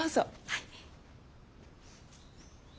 はい。